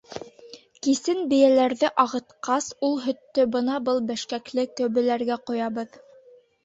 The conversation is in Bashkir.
Кисен бейәләрҙе ағытҡас, ул һөттө бына был бешкәкле көбөләргә ҡоябыҙ.